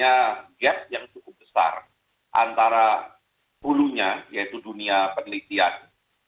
punya gap yang cukup besar antara hulunya yaitu dunia penelitian